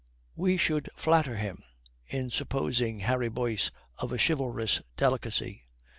We should flatter him in supposing Harry Boyce of a chivalrous delicacy.